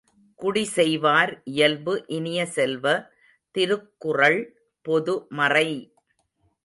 குடிசெய்வார் இயல்பு இனிய செல்வ, திருக்குறள் பொது மறை!